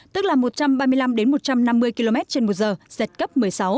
tức là một trăm ba mươi năm một trăm năm mươi km trên một giờ giật cấp một mươi sáu